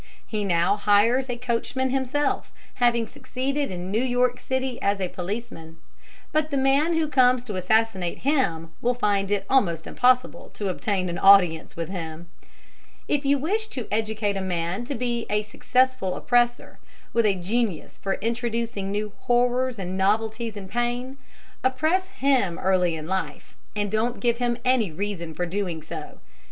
He now hires a coachman himself, having succeeded in New York city as a policeman; but the man who comes to assassinate him will find it almost impossible to obtain an audience with him. [Illustration: IRISHMAN WHO, WHEN RICH, WAS PROUD AND HAUGHTY.] If you wish to educate a man to be a successful oppressor, with a genius for introducing new horrors and novelties in pain, oppress him early in life and don't give him any reason for doing so.